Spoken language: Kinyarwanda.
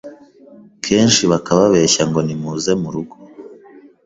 kenshi bakababeshya ngo nimuze mu rugo